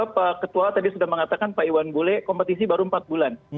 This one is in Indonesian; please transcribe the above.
pak ketua tadi sudah mengatakan pak iwan bule kompetisi baru empat bulan